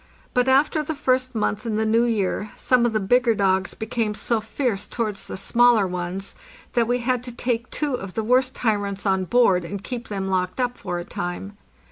But after the first month in the new year some of the bigger dogs became so fierce towards the smaller ones that we had to take two of the worst tyrants on board and keep them locked up for a time.